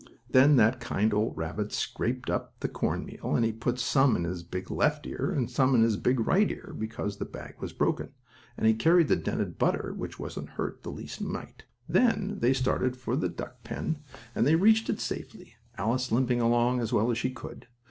Then that kind old rabbit scraped up all the cornmeal, and he put some in his big left ear and some in his big right ear, because the bag was broken, and he carried the dented butter, which wasn't hurt the least mite. Then they started for the duck pen and they reached it safely, Alice limping along as well as she could.